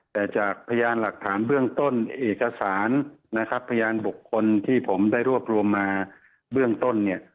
แต่จากพยานหลักฐานเบื้องต้นเอกสารนะครับพยานบุคคลที่ผมได้รวบรวมมาเบื้องต้นเนี่ย